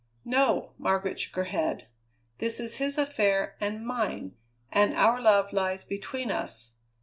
"No," Margaret shook her head. "This is his affair and mine, and our love lies between us.